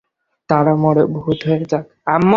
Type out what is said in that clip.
তারা মরে ভুত হয়ে যাক!